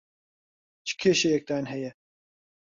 چ کێشەیەکتان هەیە؟